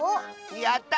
やった！